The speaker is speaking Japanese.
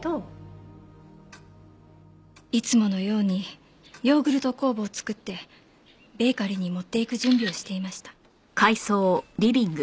いつものようにヨーグルト酵母を作ってベーカリーに持っていく準備をしていました。